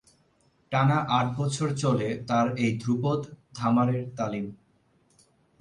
টানা আট বছর চলে তার এই ধ্রুপদ-ধামারের তালিম।